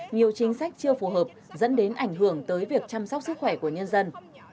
nhiều chính sách chưa phù hợp dẫn đến ảnh hưởng tới việc chăm sóc sức khỏe của nhân dân